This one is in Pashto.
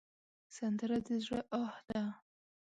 سندره د زړه آه ده